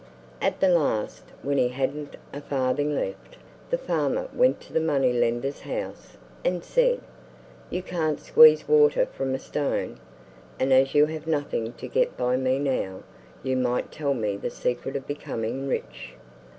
At the last, when he hadn't a farthing left, the farmer went to the money lender's house, and said, "You can't squeeze water from a stone, and as you have nothing to get by me now, you might tell me the secret of becoming rich."